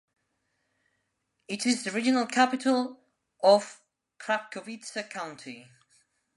It is the regional capital of Krapkowice County.